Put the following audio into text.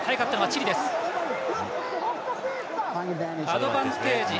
アドバンテージ。